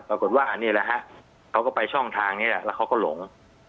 ปรากฏว่าอันนี้แหละฮะเขาก็ไปช่องทางนี้แหละแล้วเขาก็หลง